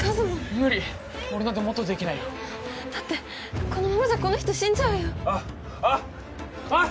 無理俺なんてもっとできないよだってこのままじゃこの人死んじゃうよあっあっあっ！